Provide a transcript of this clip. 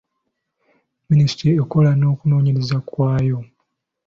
Minisitule ekola n'okunoonyereza kwayo.